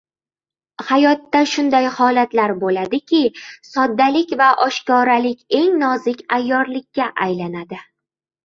Hayotda shunday holatlar bo‘ladiki, soddalpk va oshkoralik eng nozik ayyorlikka aylanadi.